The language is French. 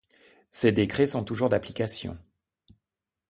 Ces décrets sont toujours d'application.